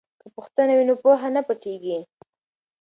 که پوښتنه وي نو پوهه نه پټیږي.